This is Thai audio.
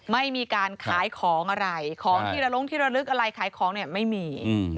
ไม่มีการขายของอะไรของที่ระล้งที่ระลึกอะไรขายของเนี่ยไม่มี